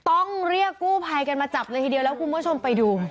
ต้องเรียกกู้ภัยกันมาจับเลยทีเดียวแล้วคุณผู้ชมไปดู